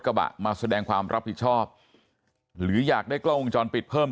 กระบะมาแสดงความรับผิดชอบหรืออยากได้กล้องวงจรปิดเพิ่ม